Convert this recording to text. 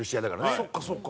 そっかそっか。